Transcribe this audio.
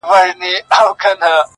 • چي شاهداني مي د شیخ د جنازې وي وني -